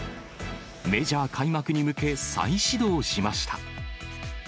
メジャー開幕に向け、再始動しました。